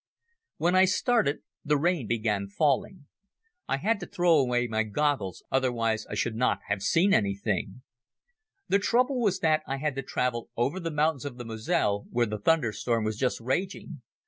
When I started the rain began falling. I had to throw away my goggles, otherwise I should not have seen anything. The trouble was that I had to travel over the mountains of the Moselle where the thunderstorm was just raging.